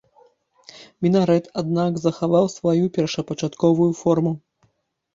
Мінарэт, аднак, захаваў сваю першапачатковую форму.